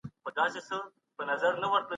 دوی د دولت مصارف غیرمؤلد ګڼل.